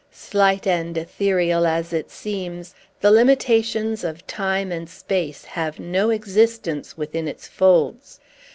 Slight and ethereal as it seems, the limitations of time and space have no existence within its folds.